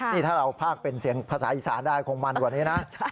นี่ถ้าเราภาคเป็นเสียงภาษาอีสานได้คงมันกว่านี้นะ